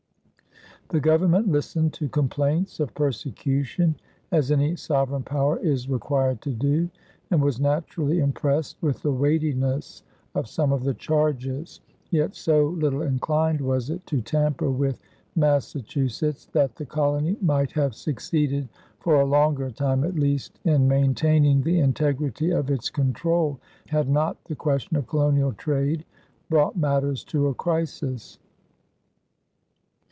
The Government listened to complaints of persecution, as any sovereign power is required to do, and was naturally impressed with the weightiness of some of the charges; yet so little inclined was it to tamper with Massachusetts that the colony might have succeeded, for a longer time at least, in maintaining the integrity of its control, had not the question of colonial trade brought matters to a crisis.